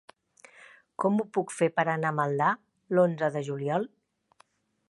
Com ho puc fer per anar a Maldà l'onze de juliol?